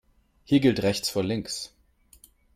Hier gilt rechts vor links.